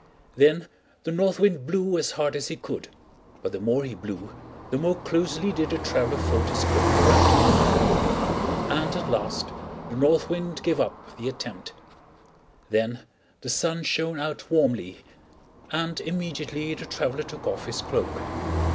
Then the North Wind blew as hard as he could, but the more he blew the more closely did the traveler fold his cloak around him; and at last the North Wind gave up the attempt. Then the Sun shined out warmly, and immediately the traveler took off his cloak.